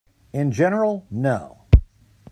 In general, no.